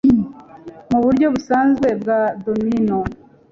muburyo busanzwe bwa domino?